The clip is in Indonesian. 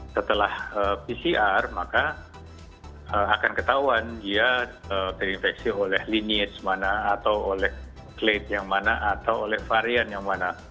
setelah pcr maka akan ketahuan dia terinfeksi oleh linites mana atau oleh klate yang mana atau oleh varian yang mana